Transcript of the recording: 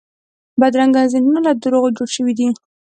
بدرنګه ذهنونه له دروغو جوړ دي